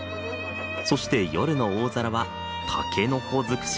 そして夜の大皿はタケノコづくし。